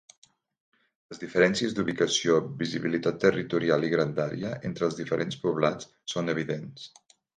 Les diferències d'ubicació, visibilitat territorial i grandària, entre els diferents poblats són evidents.